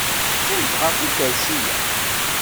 Qqimet ɣef ukersi-a.